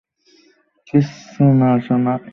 কিচ্ছু না, সোনা।